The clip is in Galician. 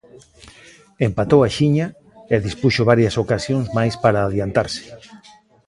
Empatou axiña e dispuxo varias ocasións máis para adiantarse.